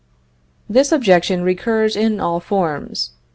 This objection recurs in all forms.